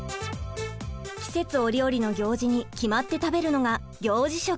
季節折々の行事に決まって食べるのが行事食。